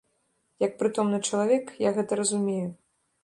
Як прытомны чалавек, я гэта разумею.